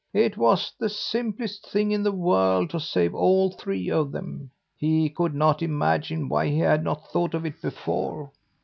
It was the simplest thing in the world to save all three of them. He could not imagine why he had not thought of it before.